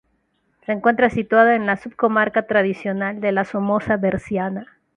Se encuentra situado en la subcomarca tradicional de La Somoza Berciana